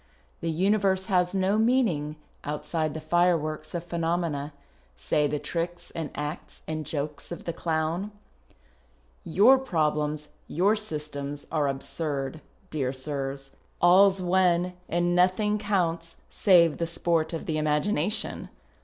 " The universe has no meaning outside the fireworks of phenomena — say the tricks and acts and jokes of the clown. Your i)roblcms, your systems, are absurd, dear sirs ; all's one and nothing counts save the sport of the imagination.